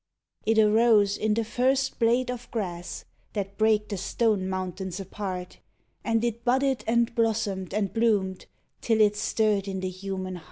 It arose in the first blade of grass That brake the stone mountains apart, And it budded and blossomed and bloomed Till it stirred in the human heart.